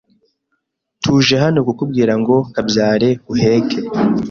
Tuje hano kukubwira ngo Kabyare uheke.